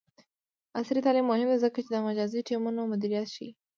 عصري تعلیم مهم دی ځکه چې د مجازی ټیمونو مدیریت ښيي.